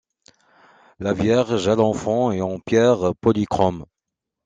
La Vierge à l'Enfant est en pierre polychrome.